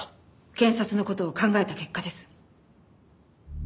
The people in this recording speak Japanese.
検察の事を考えた結果です。